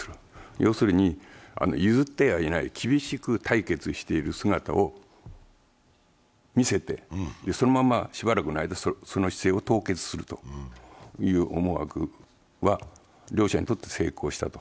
要するに譲ってはいない、厳しく対決している姿を見せてそのまましばらくの間、その姿勢を凍結するという思惑は両者にとって成功したと。